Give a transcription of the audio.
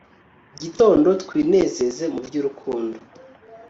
gitondo twinezeze mu by urukundo